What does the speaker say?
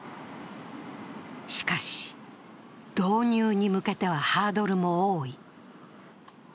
しかし、導入に向けてはハードルも多い。